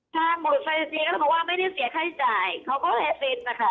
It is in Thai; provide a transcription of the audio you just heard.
ทางหมดใส่เสียก็บอกว่าไม่ได้เสียค่าใช้จ่ายเขาก็เลยสินนะคะ